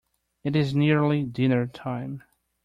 It is nearly dinner-time.